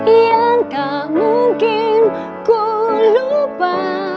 yang tak mungkin ku lupa